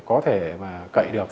có thể mà cậy được